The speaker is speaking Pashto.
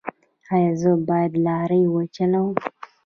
ایا زه باید لارۍ وچلوم؟